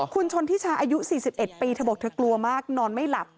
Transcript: คุณชนทิชาอายุ๔๑ปีเธอบอกเธอกลัวมากนอนไม่หลับ